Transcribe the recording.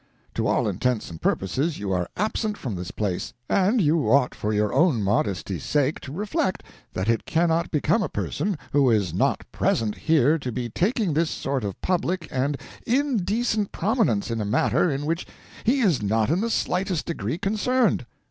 To all intents and purposes you are absent from this place, and you ought for your own modesty's sake to reflect that it cannot become a person who is not present here to be taking this sort of public and indecent prominence in a matter in which he is not in the slightest degree concerned.